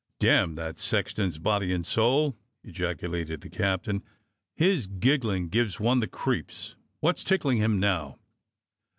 "Damn that sexton's body and soul!" ejaculated the captain; "his giggling gives one the creeps. What's tickling him now.